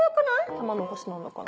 玉の輿なんだから。